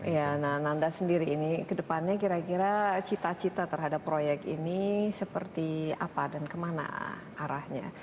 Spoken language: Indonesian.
ya nah nanda sendiri ini kedepannya kira kira cita cita terhadap proyek ini seperti apa dan kemana arahnya